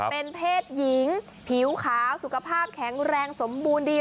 เป็นเพศหญิงผิวขาวสุขภาพแข็งแรงสมบูรณ์ดี